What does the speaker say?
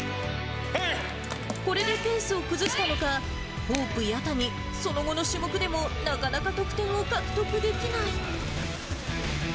これでペースを崩したのか、ホープ弥谷、その後の種目でもなかなか得点を獲得できない。